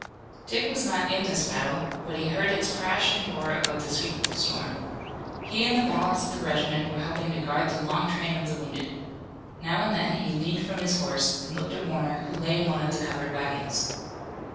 Dick was not in this battle, but he heard it's crash and roar above the sweep of the storm. He and the balance of the regiment were helping to guard the long train of the wounded. Now and then, he leaned from his horse and looked at Warner who lay in one of the covered wagons.